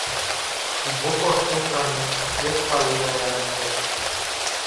ڀوپو سوڪرا نين ۮيتوا لئي آيا نون ڪي سي